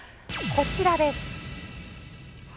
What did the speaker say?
こちらです。